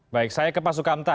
baik saya ke pak sukamta